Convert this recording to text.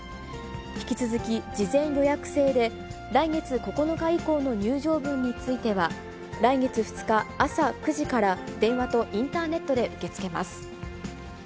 引き続き、事前予約制で来月９日以降の入場分については、来月２日朝９時から電話とインターネットで受け付けます。